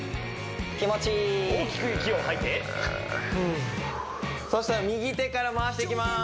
気持ちいい大きく息を吐いてそしたら右手から回していきます